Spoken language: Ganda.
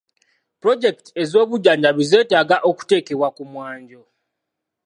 Pulojekiti ez'obujjanjabi zeetaaga okuteekebwa ku mwanjo.